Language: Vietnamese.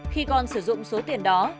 khi con sử dụng số tiền đó